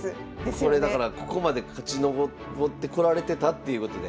これだからここまで勝ちのぼってこられてたっていうことで。